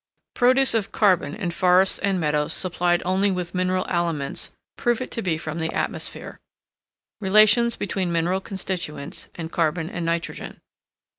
Produce of Carbon in Forests and Meadows supplied only with mineral aliments prove it to be from the atmosphere. Relations between Mineral constituents, and Carbon and Nitrogen.